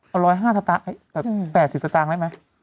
เอา๑๐๕สตางค์แบบ๘๐สตางค์ได้ไหม